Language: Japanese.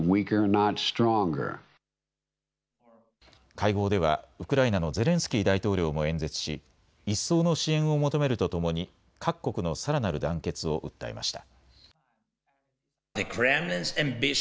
会合ではウクライナのゼレンスキー大統領も演説し一層の支援を求めるとともに各国のさらなる団結を訴えました。